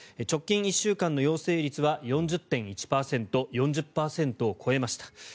直近１週間の陽性率は４０．１％４０％を超えました。